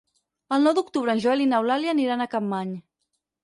El nou d'octubre en Joel i n'Eulàlia aniran a Capmany.